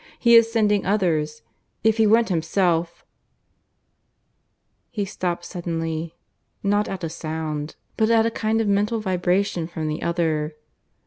"He is sending others. If he went himself " He stopped suddenly; not at a sound, but at a kind of mental vibration from the other.